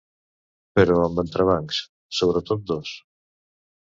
Però amb entrebancs, sobretot dos.